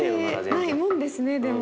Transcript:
忘れてないもんですねでも。